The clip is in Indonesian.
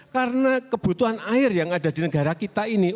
karena kebutuhan air yang ada di negara kita ini